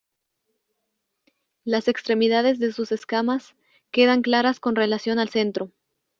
Las extremidades de sus escamas quedan claras con relación al centro.